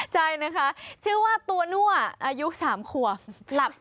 ใช่ค่ะชื่อว่าตัวนั่วอายุ๓ขวง